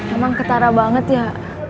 emang ketara banget ya